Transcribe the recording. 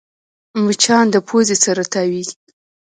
مچان د پوزې سره تاوېږي